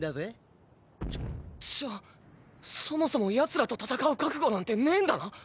じゃじゃあそもそもヤツらと戦う覚悟なんてねぇんだな